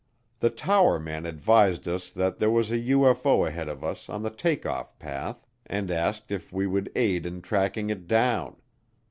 The tower man advised us that there was a UFO ahead of us on the take off path and asked if we would aid in tracking it down.